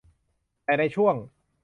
แต่ในช่วง